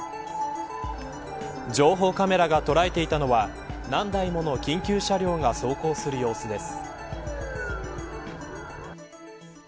情報カメラが捉えていたのは何台もの緊急車両が走行する様子です。